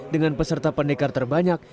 dengan peserta pendekar terbanyak